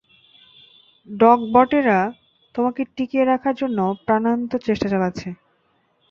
ডকবটেরা তোমাকে টিকিয়ে রাখার জন্য প্রাণান্ত চেষ্টা চালাচ্ছে।